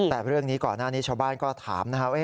แต่เรื่องนี้ก่อนหน้านี้ชาวบ้านก็ถามนะครับ